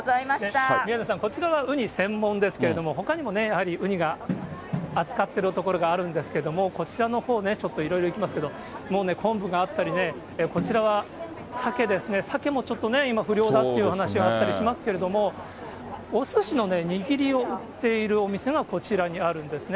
宮根さん、こちらはウニ専門ですけれども、ほかにもやはりウニが、扱っている所があるんですけれども、こちらのほうね、ちょっといろいろいますけど、昆布があったりね、こちらは、サケですね、サケもちょっとね、今、不漁だって話し合ったりしますけれども、おすしの握りを売っているお店がこちらにあるんですね。